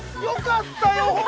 よかったよ